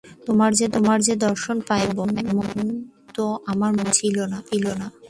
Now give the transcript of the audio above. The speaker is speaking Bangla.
তোমার যে দর্শন পাইব এমন তো আমার মনেই ছিল না।